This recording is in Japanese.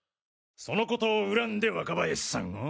そのことを恨んで若林さんを？